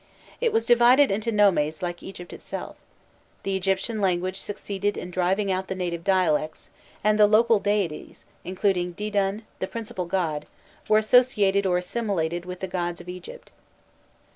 It was divided into nomes like Egypt itself; the Egyptian language succeeded in driving out the native dialects, and the local deities, including Didûn, the principal god, were associated or assimilated with the gods of Egypt.